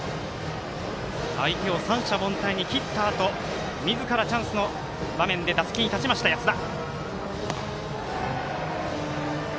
相手を三者凡退に切ったあとみずからチャンスの場面で打席に立ちました、安田。